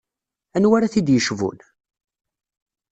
Anwa ara t-id-yecbun?